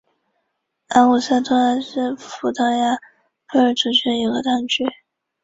特姆尼茨塔尔是德国勃兰登堡州的一个市镇。